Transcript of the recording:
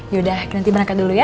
yaudah nanti berangkat dulu ya